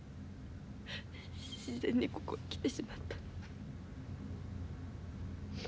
自然にここへ来てしまったの。